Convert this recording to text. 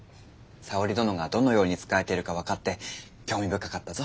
沙織殿がどのように仕えているか分かって興味深かったぞ。